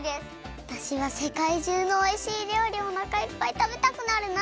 わたしはせかいじゅうのおいしいりょうりをおなかいっぱいたべたくなるな。